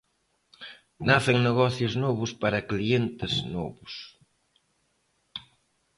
Nacen negocios novos para clientes novos.